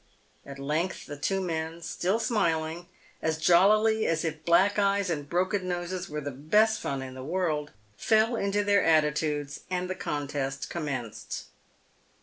At length the men, still smiling as jollily as if black eyes and broken noses were the best fun in the world, fell into their attitudes, and the contest commenced. PAVED WITH GOLD.